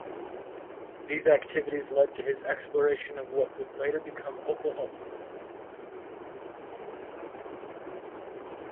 These activities led to his exploration of what would later become Oklahoma.